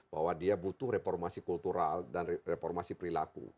bahwa dia butuh reformasi kultural dan reformasi perilaku